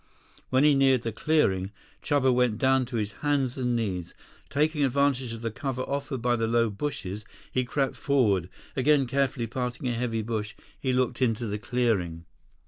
When he neared the clearing, Chuba went down to his hands and knees. Taking advantage of the cover offered by the low bushes, he crept forward. Again carefully parting a heavy bush, he looked into the clearing.